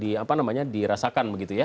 apa namanya dirasakan begitu ya